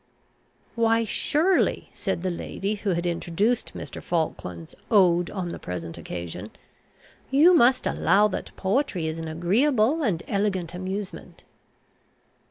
"Why, surely," said the lady who had introduced Mr. Falkland's Ode on the present occasion, "you must allow that poetry is an agreeable and elegant amusement."